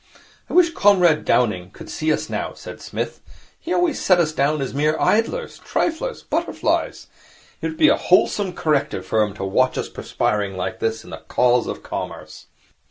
'I wish Comrade Downing could see us now,' said Psmith. 'He always set us down as mere idlers. Triflers. Butterflies. It would be a wholesome corrective for him to watch us perspiring like this in the cause of Commerce.'